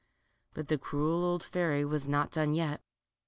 But the cruel old fairy was not done yet.